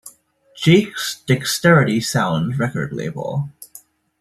Jakes' Dexterity Sounds record label.